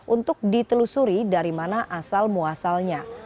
untuk ditelusuri dari mana asal muasalnya